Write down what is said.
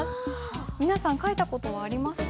皆さん書いた事はありますか？